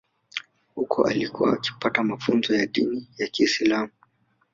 Huko alikuwa akipata mafunzo ya dini ya Kiislam